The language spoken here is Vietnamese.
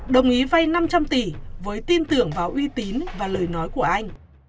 đồng ý vay năm trăm linh tỷ với tin tưởng vào uy tín và lời nói của anh